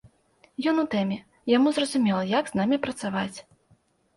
Ён у тэме, яму зразумела, як з намі працаваць.